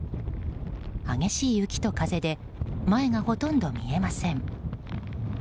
激しい雪と風で前がほとんど見えません。